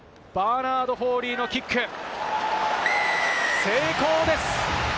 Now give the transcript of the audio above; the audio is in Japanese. バーナード・フォーリーのキック、成功です。